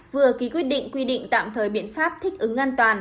vừa ký quyết định quy định tạm thời biện pháp thích ứng an toàn